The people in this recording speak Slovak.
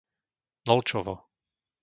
Nolčovo